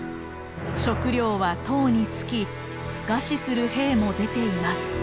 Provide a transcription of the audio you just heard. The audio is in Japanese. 食料はとうに尽き餓死する兵も出ています。